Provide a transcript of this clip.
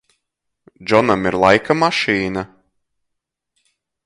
Džonam ir laika mašīna?